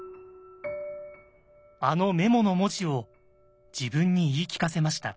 あのメモの文字を自分に言い聞かせました。